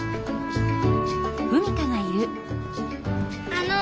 あの。